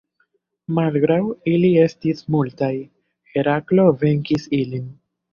Malgraŭ ili estis multaj, Heraklo venkis ilin.